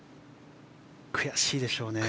悔しいでしょうね。